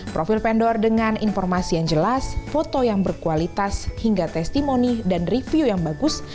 profil vendor dengan informasi yang jelas foto yang berkualitas hingga testimoni dan review yang bagus